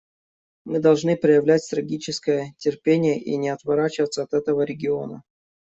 Мы должны проявлять стратегическое терпение и не отворачиваться от этого региона.